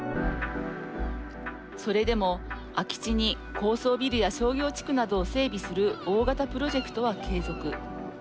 それでも、空き地に高層ビルや商業地区などを整備する大型プロジェクトは継続。